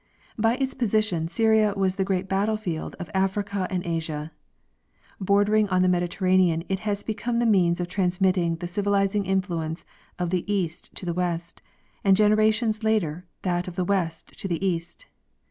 By its position, Syria was the great battle field of Africa and Asia. Bordering on the Mediterranean, it has been the means of transmitting the civilizing influences of the east to the west, and generations later that of the west to the east.